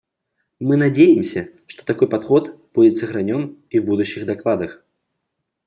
Мы надеемся, что такой подход будет сохранен и в будущих докладах.